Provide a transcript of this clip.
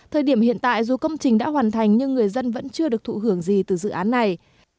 thời điểm hiện tại dù công trình đã hoàn thành nhưng người dân vẫn chưa được thụ hưởng gì từ dự án này